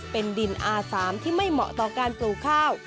เป็นดินอาสามที่ไม่เหมาะต่อการปลูกข้าว